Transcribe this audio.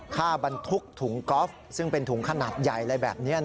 บรรทุกถุงกอล์ฟซึ่งเป็นถุงขนาดใหญ่อะไรแบบนี้